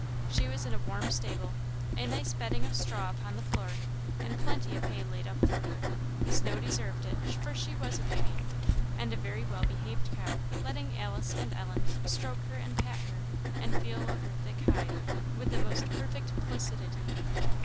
She was in a warm stable, a nice bedding of straw upon the floor, and plenty of hay laid up for her. Snow deserved it, for she was a beauty, and a very well behaved cow, letting Alice and Ellen stroke her and pat her, and feel of her thick hide, with the most perfect placidity.